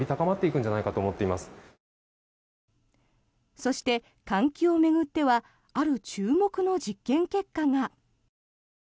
そして、換気を巡ってはある注目の実験結果が。